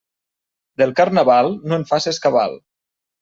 Del Carnaval, no en faces cabal.